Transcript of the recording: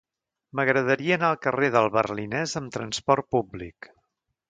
M'agradaria anar al carrer del Berlinès amb trasport públic.